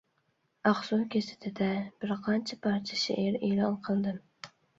«ئاقسۇ گېزىتى»دە بىرقانچە پارچە شېئىر ئېلان قىلدىم.